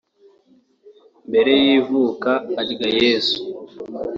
Mbere y’ivuka arya Yezu